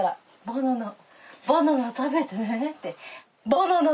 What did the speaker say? バナナ食べてね。